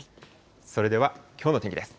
それではきょうの天気です。